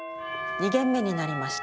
２限目になりました。